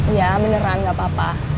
iya beneran gak apa apa